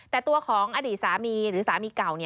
แต่ตัวของอดีตสามีหรือสามีเก่า